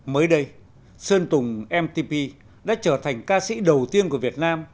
mới đây sơn tùng mtp đã trở thành ca sĩ đầu tiên của việt nam